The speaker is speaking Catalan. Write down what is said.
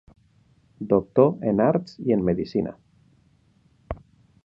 Doctor en arts i en medicina.